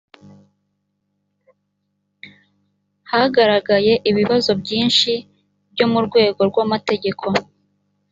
hagaragaye ibibazo byinshi byo mu rwego rw’amategeko